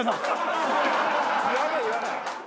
言わない言わない！